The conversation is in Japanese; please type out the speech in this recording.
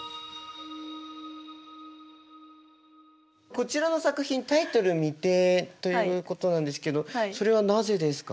こちらの作品タイトル未定ということなんですけどそれはなぜですか？